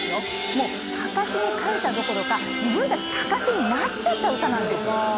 もうかかしに感謝どころか自分たち、かかしになっちゃった歌なんです。